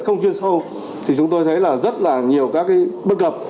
không chuyên sâu thì chúng tôi thấy là rất là nhiều các cái bất cập